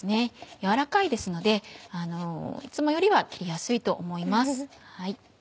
柔らかいですのでいつもよりは切りやすいと思います。